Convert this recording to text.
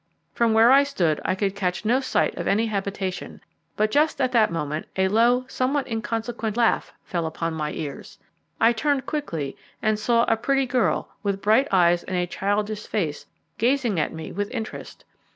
From where I stood I could catch no sight of any habitation, but just at that moment a low, somewhat inconsequent laugh fell upon my ears. I turned quickly and saw a pretty girl, with bright eyes and a childish face, gazing at me with interest.